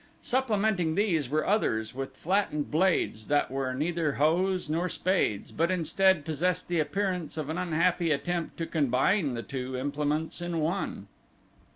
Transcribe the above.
Supplementing these were others with flattened blades that were neither hoes nor spades, but instead possessed the appearance of an unhappy attempt to combine the two implements in one.